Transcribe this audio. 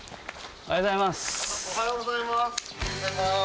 おはようございます。